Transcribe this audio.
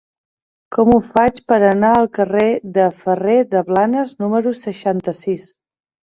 Com ho faig per anar al carrer de Ferrer de Blanes número seixanta-sis?